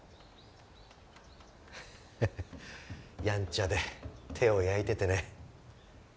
やんちゃで手を焼いててね。